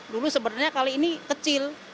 dulu sebenarnya kali ini kecil